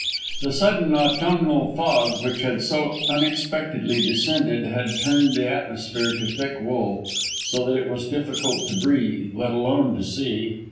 The sudden autumnal fog which had so unexpectedly descended had turned the atmosphere to thick wool, so that it was difficult to breathe, let alone to see.